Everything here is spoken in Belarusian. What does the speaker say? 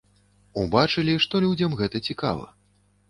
Убачылі, што людзям гэта цікава.